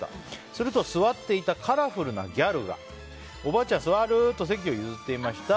すると座っていたカラフルなギャルがおばあちゃん、座る？と席を譲っていました。